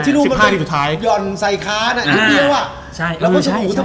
ที่ลูกมันยอดใส่ค้านิดเดียว